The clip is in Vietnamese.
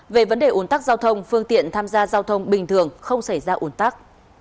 về vấn đề ủn tắc giao thông phương tiện tham gia giao thông bình thường không xảy ra ủn tắc